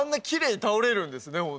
きれいに倒れるんですね